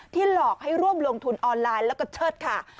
หลอกให้ร่วมลงทุนออนไลน์แล้วก็เชิดค่ะ